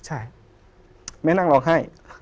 ใช่แม่นั่งร้องไห้